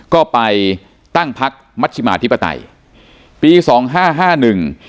ก็ไปตั้งพักมัชชิมาธิปไตยปีสองห้าห้าหนึ่ง